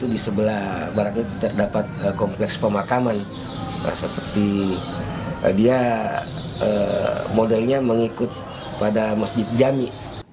di sebelah barangnya terdapat kompleks pemakaman seperti modelnya mengikut pada masjid jami